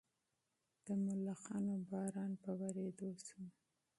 د ملخانو باران په ورېدو شو.